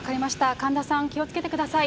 神田さん、気をつけてください。